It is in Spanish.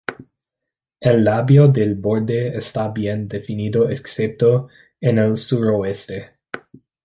El labio del borde está bien definido excepto en el suroeste.